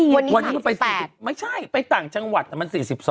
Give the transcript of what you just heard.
วันนี้มันไป๔๐ไม่ใช่ไปต่างจังหวัดแต่มัน๔๒